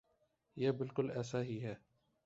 یہ بالکل ایسے ہی ہے۔